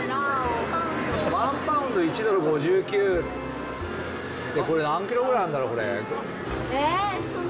１パウンド１ドル５９、これ、何キロぐらいあるんだろう、これ。